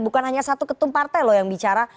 bukan hanya satu ketum partai loh yang bicara